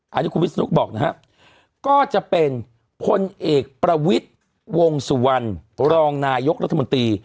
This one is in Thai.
อันนี้คุณวิศนุบอกนะครับก็จะเป็นพลเอกประวิทย์วงสุวรรณรองนายกรัฐมนตรี